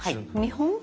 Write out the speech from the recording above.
見本？